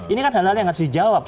ini kan hal hal yang harus dijawab